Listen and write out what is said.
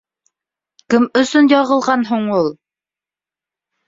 Кем өсөн яғылған һуң ул?